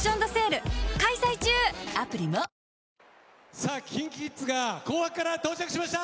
さあ、ＫｉｎＫｉＫｉｄｓが「紅白」から到着しました！